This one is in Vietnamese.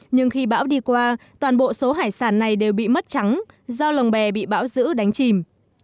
nhưng khi bão đi qua toàn bộ số hải sản này đều bị mất trắng do lồng bè bị bão giữ đánh chìm